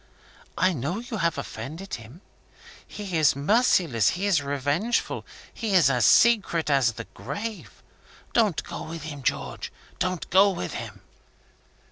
I know you have offended him! He is merciless; he is revengeful; he is as secret as the grave. Don't go with him, George don't go with him!"